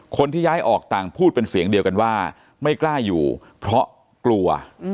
คนที่ย้ายออกต่างพูดเป็นเสียงเดียวกันว่าไม่กล้าอยู่เพราะกลัว